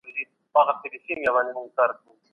دوی بايد د ډار او وېرې پرته ژوند وکړي.